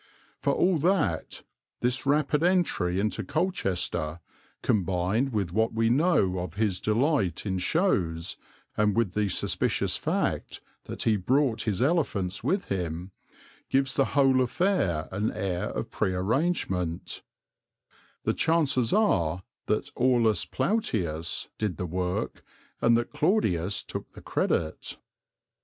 For all that, this rapid entry into Colchester, combined with what we know of his delight in shows, and with the suspicious fact that he brought his elephants with him, gives the whole affair an air of pre arrangement The chances are that Aulus Plautius did the work and that Claudius took the credit.